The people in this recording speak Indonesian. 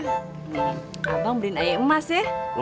nih abang beliin air emas ya